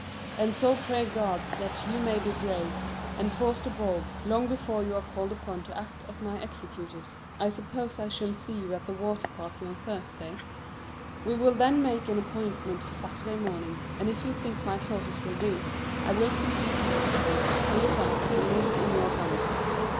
And so pray God that you may be gray, and Forster bald, long before you are called upon to act as my executors. I suppose I shall see you at the water party on Thursday? We will then make an appointment for Saturday morning, and if you think my clauses will do, I will complete my copy, seal it up, and leave it in your hands.